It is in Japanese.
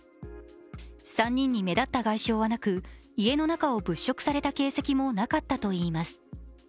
３人に目立った外傷はなく家の中を物色された形跡もなかったといいます。